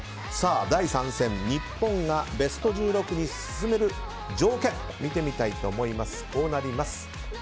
第３戦、日本がベスト１６に進める条件見てみたいと思います。